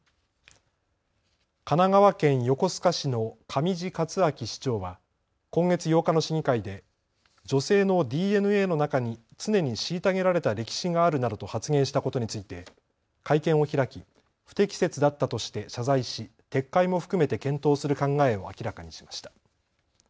神奈川県横須賀市の上地克明市長は今月８日の市議会で女性のＤＮＡの中に常に虐げられた歴史があるなどと発言したことについて会見を開き不適切だったとして謝罪し撤回も含めて検討する考えを明らかにしました。